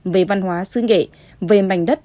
về văn hóa sư nghệ về mảnh đất